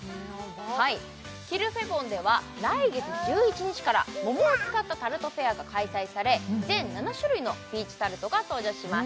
キルフェボンでは来月１１日から桃を使ったタルトフェアが開催され全７種類のピーチタルトが登場します